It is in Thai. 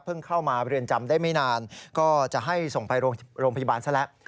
เข้ามาเรือนจำได้ไม่นานก็จะให้ส่งไปโรงพยาบาลซะแล้ว